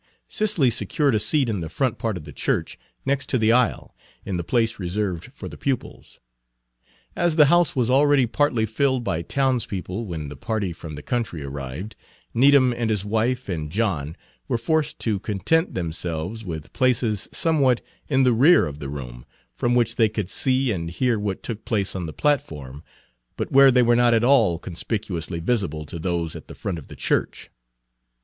Cicely secured a seat in the front part of the church, next to the aisle, in the place reserved for the pupils. As the house was already partly filled by townspeople when the party from the country arrived, Needham and his wife and John were forced to content themselves with places somewhat in the rear of the room, from which they could see and hear what took place on the platform, but where they were not at all conspicuously visible to those at the front of the church.